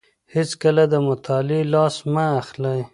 هيڅکله له مطالعې لاس مه اخلئ.